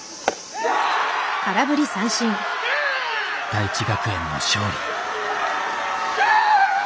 大智学園の勝利。